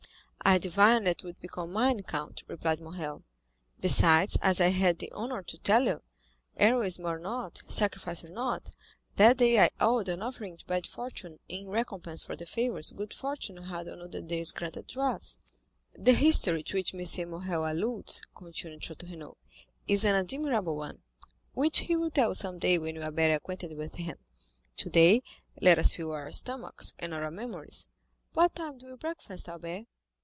"I divined that you would become mine, count," replied Morrel; "besides, as I had the honor to tell you, heroism or not, sacrifice or not, that day I owed an offering to bad fortune in recompense for the favors good fortune had on other days granted to us." "The history to which M. Morrel alludes," continued Château Renaud, "is an admirable one, which he will tell you some day when you are better acquainted with him; today let us fill our stomachs, and not our memories. What time do you breakfast, Albert?"